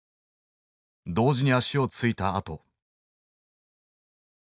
同時に足を着いたあと。